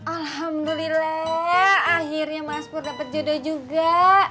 alhamdulillah akhirnya mas pur dapat jodoh juga